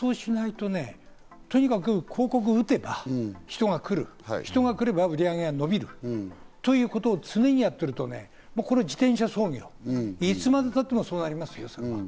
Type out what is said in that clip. そうしないとね、とにかく広告を打てば人が来る、人が来れば売り上げが伸びるということを常にやってると、自転車操業、いつまでたってもそうなりますよ、それは。